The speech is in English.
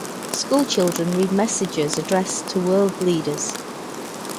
School children read messages addressed to world leaders.